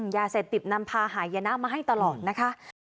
ยาเสพติดนำพาหายนะมาให้ตลอดนะคะ